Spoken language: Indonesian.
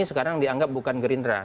sekarang dianggap bukan gerindra